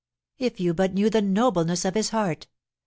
If you but knew the nobleness of his heart!